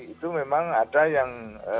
itu memang ada yang